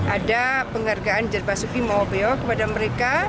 ada penghargaan jer basuki mawabea kepada mereka